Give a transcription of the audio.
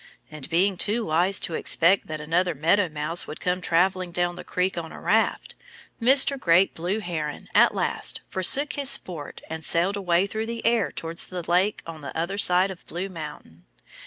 And being too wise to expect that another Meadow Mouse would come traveling down the creek on a raft, Mr. Great Blue Heron at last forsook his sport and sailed away through the air towards the lake on the other side of Blue Mountain.